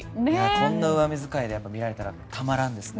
こんな上目遣いで見られたら、たまらんですね。